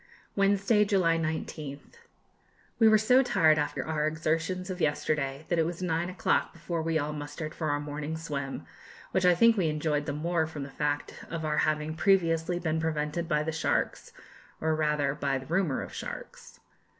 Wednesday, July 19th. We were so tired after our exertions of yesterday, that it was nine o'clock before we all mustered for our morning swim, which I think we enjoyed the more from the fact of our having previously been prevented by the sharks, or rather by the rumour of sharks.